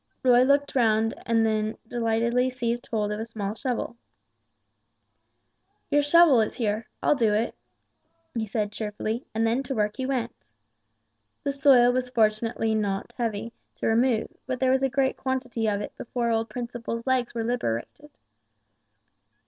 Roy looked round and then delightedly seized hold of a small shovel. "Your shovel is here. I'll do it," he said, cheerfully, and then to work he went. The soil was fortunately not heavy to remove, but there was a great quantity of it before poor old Principle's legs were liberated.